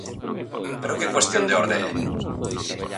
¿Pero que cuestión de orde é?